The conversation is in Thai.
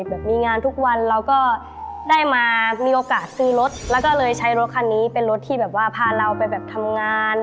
แบบมีงานทุกวันเราก็ได้มามีโอกาสซื้อรถแล้วก็เลยใช้รถคันนี้เป็นรถที่แบบว่าพาเราไปแบบทำงาน